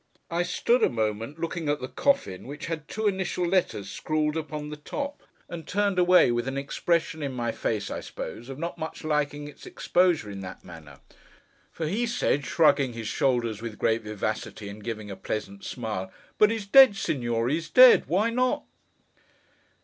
I stood, a moment, looking at the coffin, which had two initial letters scrawled upon the top; and turned away, with an expression in my face, I suppose, of not much liking its exposure in that manner: for he said, shrugging his shoulders with great vivacity, and giving a pleasant smile, 'But he's dead, Signore, he's dead. Why not?